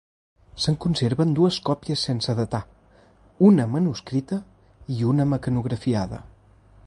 Se'n conserven dues còpies sense datar, una manuscrita i una mecanografiada.